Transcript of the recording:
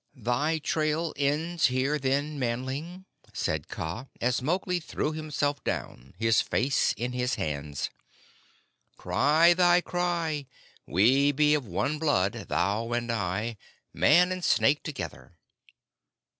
"Thy trail ends here, then, Manling?" said Kaa, as Mowgli threw himself down, his face in his hands. "Cry thy cry. We be of one blood, thou and I man and snake together."